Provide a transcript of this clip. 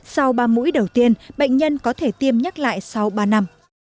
sau ba mũi đầu tiên bệnh nhân có thể tiêm nhắc lại sau ba năm